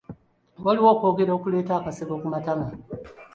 Waliwo okwogera kuleeta akaseko ku matama.